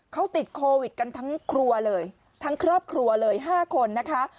เขาติดโควิดกันทั้งครัวเลยทั้งครอบครัวเลย๕คนนะคะ